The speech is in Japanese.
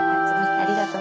ありがとう。